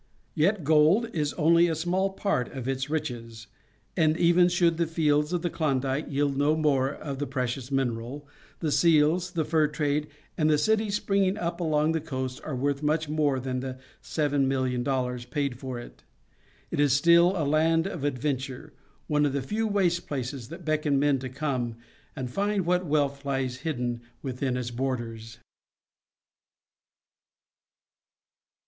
Yet gold is only a small part of its riches, and even should the fields of the Klondike yield no more of the precious mineral, the seals, the fur trade, and the cities springing up along its coast are worth much more than the $7,000,000 paid for it. It is still a land of adventure, one of the few waste places that beckon men to come and find what wealth lies hidden within its borders.